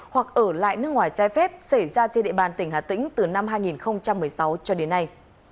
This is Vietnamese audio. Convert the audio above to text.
hoặc ở lại nước ngoài trái phép xảy ra trên địa bàn tỉnh hà tĩnh từ năm hai nghìn một mươi sáu cho đến nay